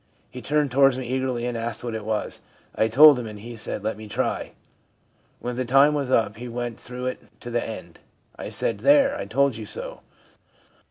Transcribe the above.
He turned towards me eagerly and asked what it was. I told him, and he said, " Let me try." When the time was up he went through it to the end. I said, " There ! I told you so."